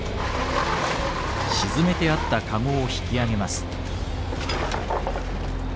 沈めてあった籠を引き上げます。